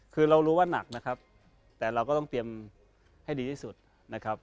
คือเรารู้ว่านักนะครับแต่เราก็ต้องเตรียมให้ดีที่สุดนะครับ